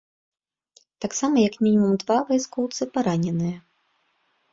Таксама як мінімум два вайскоўцы параненыя.